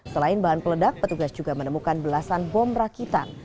selain bahan peledak petugas juga menemukan belasan bom rakitan